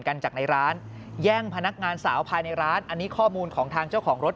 กันจากในร้านแย่งพนักงานสาวภายในร้านอันนี้ข้อมูลของทางเจ้าของรถ